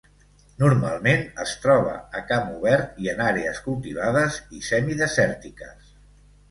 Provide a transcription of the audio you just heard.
Normalment es troba a camp obert i en àrees cultivades i semidesèrtiques.